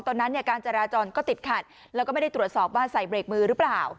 ตอนนั้นเนี่ยการจราจรก็ติดขัดแล้วก็ไม่ได้ตรวจสอบว่าใส่เบรกมือหรือเปล่า